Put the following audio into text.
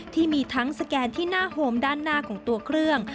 ที่มีทั้งสแกนที่หน้าโฮมด้านหน้าของตัวเครื่อง